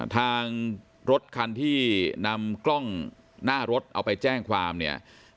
ทางรถคันที่นำกล้องหน้ารถเอาไปแจ้งความเนี่ย